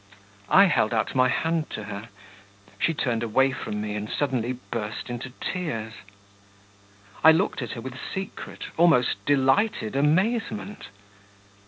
I held out my hand to her; she turned away from me, and suddenly burst into tears. I looked at her with secret, almost delighted amazement....